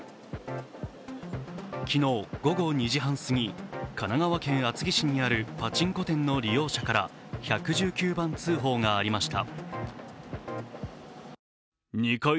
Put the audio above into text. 昨日午後２時半過ぎ神奈川県厚木市にあるパチンコ店の利用者から１１９番通報がありました。